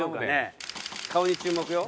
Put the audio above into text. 顔に注目よ。